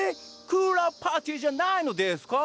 ⁉クーラーパーティーじゃないのですか？